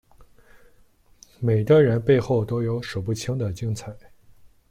每个人背后都有数不清的精彩